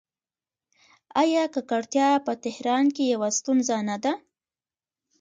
آیا ککړتیا په تهران کې یوه ستونزه نه ده؟